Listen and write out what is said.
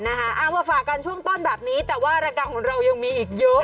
เอามาฝากกันช่วงต้นแบบนี้แต่ว่ารายการของเรายังมีอีกเยอะ